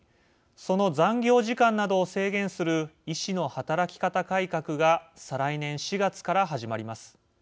その残業時間などを制限する医師の働き方改革が再来年４月から始まります。